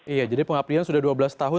iya jadi pengabdian sudah dua belas tahun